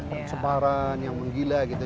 pencemaran yang menggila gitu